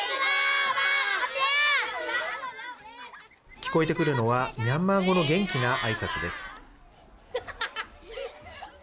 聞こえてくるのは、ミャンマー語の元気なあいさつです。